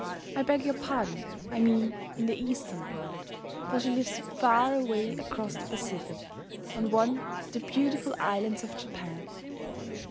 I beg your pardon I mean in the Eastern world, for she lives far away across the Pacific, on one of the beautiful islands of Japan.